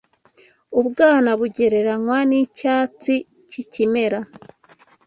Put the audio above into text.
Ubwana bugereranywa n’icyatsi kikimera